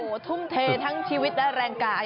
โอ้โหทุ่มเททั้งชีวิตและแรงกาย